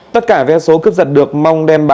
tất cả vé số cướp giật được mong đem